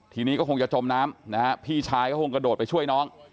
ทีนี้ก็คงจะจมน้ำนะฮะพี่ชายก็คงกระโดดไปช่วยน้อง